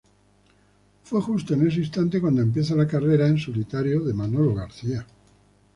Fue justo en ese instante cuando empieza la carrera en solitario de Manolo García.